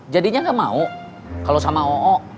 jadinya gak mau kalau sama oo